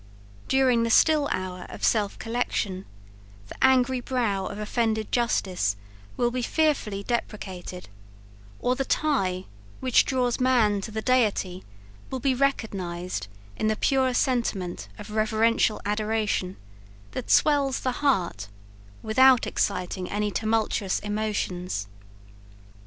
During the still hour of self collection, the angry brow of offended justice will be fearfully deprecated, or the tie which draws man to the Deity will be recognized in the pure sentiment of reverential adoration, that swells the heart without exciting any tumultuous emotions.